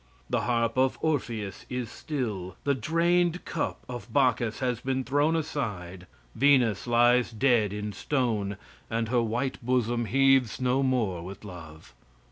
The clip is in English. The harp of Orpheus is still; the drained cup of Bacchus has been thrown aside; Venus lies dead in stone, and her white bosom heaves no more with love.